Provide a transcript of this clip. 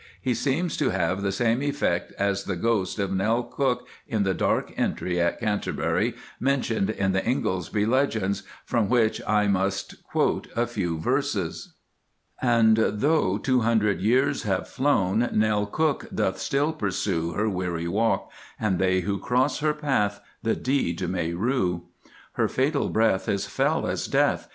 He seems to have the same effect as the ghost of "Nell Cook" in the dark entry at Canterbury, mentioned in the "Ingoldsby Legends," from which I must quote a few verses— "And tho' two hundred years have flown, Nell Cook doth still pursue Her weary walk, and they who cross her path The deed may rue. Her fatal breath is fell as death!